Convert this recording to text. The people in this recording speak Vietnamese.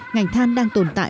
ngành than đang tồn tại